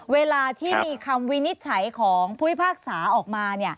เวลามีคำวินิจฉัยของผู้หญิงภาคศาสตร์ออกมา